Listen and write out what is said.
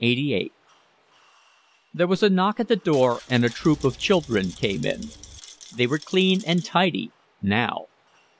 LXXXVIII There was a knock at the door and a troop of children came in. They were clean and tidy, now.